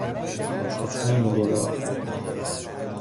تصمیم گرفت